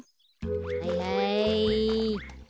はいはい。